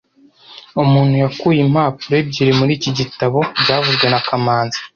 Umuntu yakuye impapuro ebyiri muri iki gitabo byavuzwe na kamanzi